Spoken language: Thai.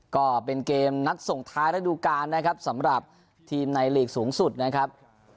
ก็เป็นเกมนัดส่งท้ายระดูการนะครับสำหรับทีมในหลีกสูงสุดนะครับ